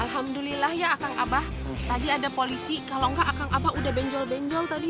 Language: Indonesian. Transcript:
alhamdulillah ya akang abah tadi ada polisi kalau enggak akan abah udah benjol benggol tadi